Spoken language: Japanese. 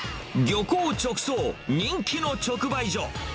漁港直送、人気の直売所。